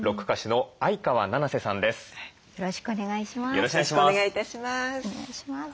よろしくお願いします。